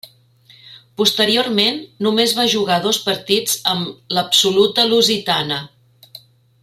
Posteriorment, només va jugar dos partits amb l'absoluta lusitana.